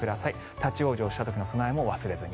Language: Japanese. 立ち往生した時の備えも忘れずに。